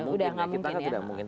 udah gak mungkin ya